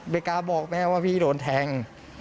เวกราฟบอกแม่ว่าพี่โดนแทง